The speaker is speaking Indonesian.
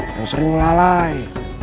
yang sering lalai